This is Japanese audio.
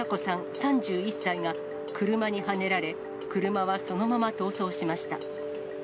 ３１歳が車にはねられ、車はそのまま逃走しました。